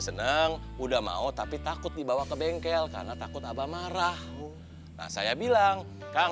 senang udah mau tapi takut dibawa ke bengkel karena takut abah marah saya bilang kang